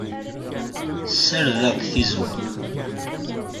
Ssardeɣ-d tizewwa.